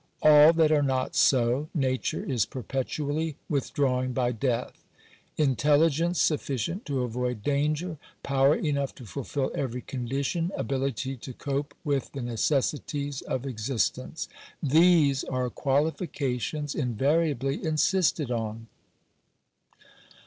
Al that are not so, nature is perpetually withdrawing by death Intelligence sufficient to avoid danger, power enough to fulfil every condition, ability to cope with the necessities of existence — these are qualifications invariably insisted on.